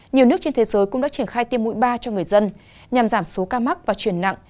nhiều nước trên thế giới cũng đã triển khai tiêm mũi ba cho người dân nhằm giảm số ca mắc và chuyển nặng